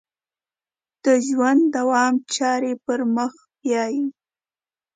د ژوند دوام چارې پر مخ بیایي.